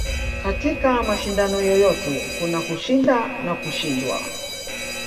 katika mashindano yoyote kuna kushinda na kushindwa